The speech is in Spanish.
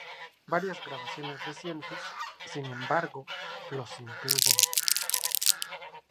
Varias grabaciones recientes, sin embargo, los incluyen.